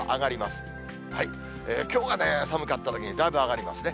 きょうが寒かっただけにだいぶ上がりますね。